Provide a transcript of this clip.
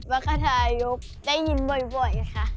รรคทายกได้ยินบ่อยค่ะ